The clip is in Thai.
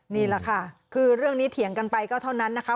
นี่แหละค่ะคือเรื่องนี้เถียงกันไปก็เท่านั้นนะคะ